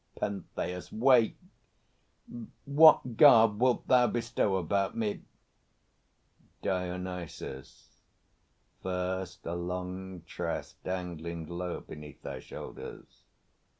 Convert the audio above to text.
PENTHEUS. Wait! What garb wilt thou bestow About me? DIONYSUS. First a long tress dangling low Beneath thy shoulders.